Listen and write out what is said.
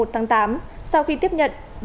một tháng tám sau khi tiếp nhận